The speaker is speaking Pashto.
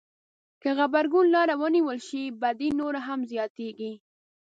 که غبرګون لاره ونیول شي بدي نوره هم زياتېږي.